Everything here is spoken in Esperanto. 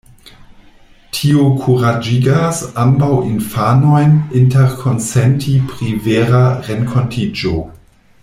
Tio kuraĝigas ambaŭ infanojn interkonsenti pri "vera" renkontiĝo.